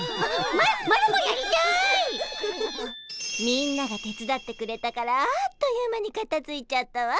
みんなが手伝ってくれたからあっという間にかたづいちゃったわ。